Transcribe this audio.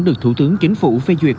được thủ tướng chính phủ phê duyệt